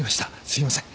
すいません。